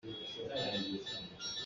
Zei dah na chim?